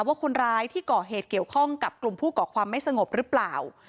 ว่าคนร้ายที่ก่อเหตุเกี่ยวข้องกับกลุ่มผู้ก่อความไม่สงบหรือเปล่า